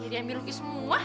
jadi ambil lagi semua